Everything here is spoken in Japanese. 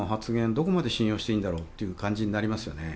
どこまで信用していいんだろうという感じになりますよね。